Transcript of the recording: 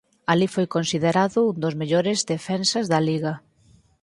Alí foi considerado un dos mellores defensas da liga.